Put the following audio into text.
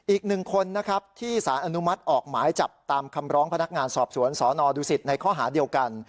อีกหนึ่งคนนะครับที่สารอนุมัติออกหมายจับตามคำร้องพนักงานสอบสวนสนดุสิตในข้อหาเดียวกัน